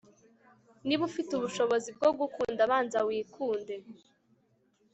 niba ufite ubushobozi bwo gukunda, banza wikunde